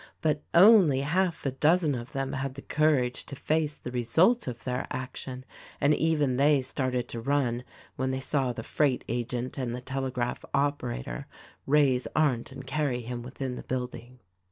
but only half a dozen of them had the courage to face the result of their action — and even they started to run when they saw the freight agent and the telegraph operator raise Arndt and carry him within the building.